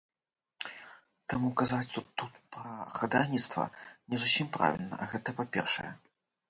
Таму казаць тут пра хадайніцтва не зусім правільна, гэта па-першае.